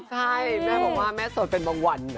ใช่แม่บอกว่าแม่โสดเป็นบางวัน